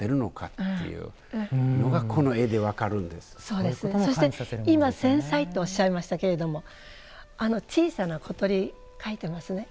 そして今繊細とおっしゃいましたけれどもあの小さな小鳥描いてますね。